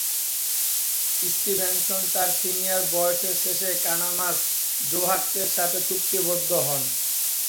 Stevenson তার senior বছরের শেষে কানসাস জেহাক্স এর সাথে চুক্তিবদ্ধ হন।